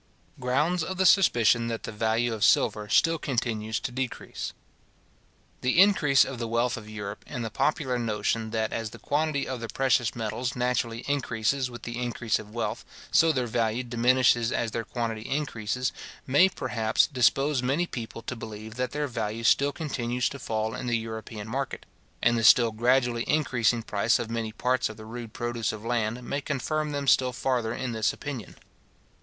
Grounds of the suspicion that the Value of Silver still continues to decrease. The increase of the wealth of Europe, and the popular notion, that as the quantity of the precious metals naturally increases with the increase of wealth, so their value diminishes as their quantity increases, may, perhaps, dispose many people to believe that their value still continues to fall in the European market; and the still gradually increasing price of many parts of the rude produce of land may confirm them still farther in this opinion.